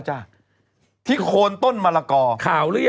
เที่ยงโคนต้นมะกอกศักดิ์